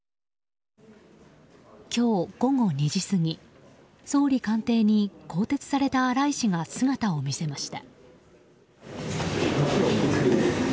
今日午後２時過ぎ総理官邸に更迭された荒井氏が姿を見せました。